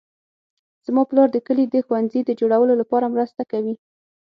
زما پلار د کلي د ښوونځي د جوړولو لپاره مرسته کوي